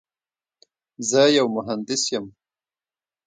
زه یو مهندس یم.